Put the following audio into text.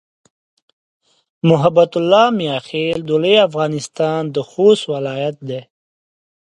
محبت الله "میاخېل" د لوی افغانستان د خوست ولایت دی.